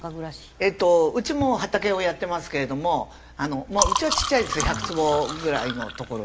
えっとうちも畑をやってますけれどもうちはちっちゃいですよ１００坪ぐらいの所にやってるので。